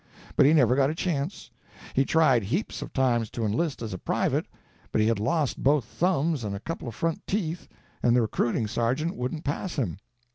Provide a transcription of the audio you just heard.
But he never got a chance; he tried heaps of times to enlist as a private, but he had lost both thumbs and a couple of front teeth, and the recruiting sergeant wouldn't pass him.